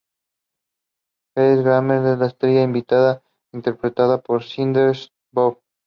Kelsey Grammer es la estrella invitada, interpretando a Sideshow Bob.